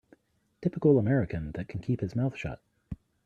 Typical American that can keep his mouth shut.